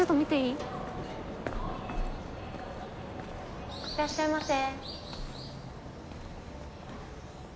いらっしゃいませ。